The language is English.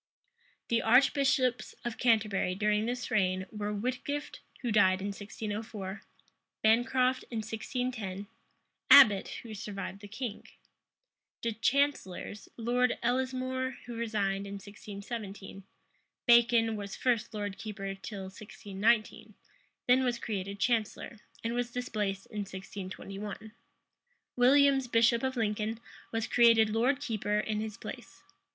The archbishops of Canterbury during this reign were Whitgift, who died in 1604; Bancroft, in 1610; Abbot, who survived the king. The chancellors, Lord Ellesmore, who resigned in 1617; Bacon was first lord keeper till 1619; then was created chancellor, and was displaced in 1621: Williams, bishop of Lincoln, was created lord keeper in his place.